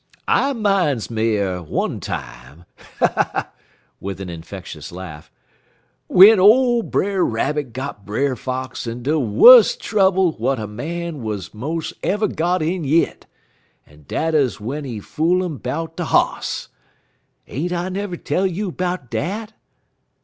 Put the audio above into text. "I mines me er one time" with an infectious laugh "w'en ole Brer Rabbit got Brer Fox in de wuss trubble w'at a man wuz mos' ever got in yit, en dat 'uz w'en he fool 'im 'bout de hoss. Ain't I never tell you 'bout dat?